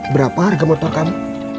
berapa harga motor kamu